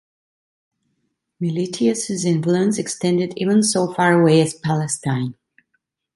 Meletius's influence extended even so far away as Palestine.